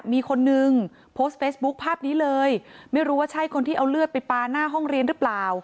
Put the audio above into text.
มีคนนึงโพสต์เฟซบุ๊คภาพนี้เลยไม่รู้ว่าใช่คนที่เอาเลือดไปปลาหน้าห้องเรียนหรือเปล่า